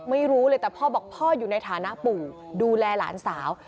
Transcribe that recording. ไม่รู้เลยแต่พ่อบอกพ่ออยู่ในฐานะปู่ดูแลหลานสาว